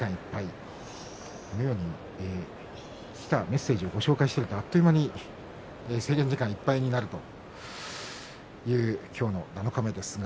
このようにきたメッセージをご紹介しているとあっという間に制限時間がいっぱいになるという今日、七日目です。